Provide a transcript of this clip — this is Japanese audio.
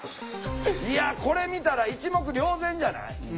いやこれ見たら一目瞭然じゃない？